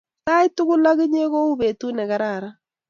sait tugul ak inye ko u petut ne kararan